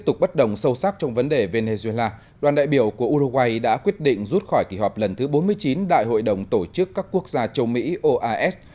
trong đó đoàn đại biểu của uruguay đã quyết định rút khỏi kỳ họp lần thứ bốn mươi chín đại hội đồng tổ chức các quốc gia châu mỹ oas